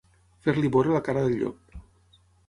Fer-li veure la cara del llop.